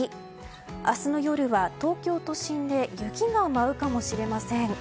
明日の夜は東京都心で雪が舞うかもしれません。